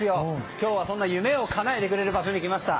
今日はそんな夢をかなえてくれる場所に来ました。